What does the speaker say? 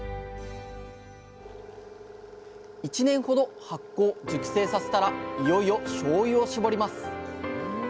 １年ほど発酵・熟成させたらいよいよしょうゆを搾ります。